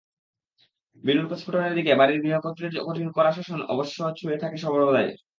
বিনুর প্রস্ফুটনের দিকে বাড়ির গৃহকর্ত্রীর কঠিন চোখের কড়া শাসন অবশ্য ছুঁয়ে থাকে সর্বদাই।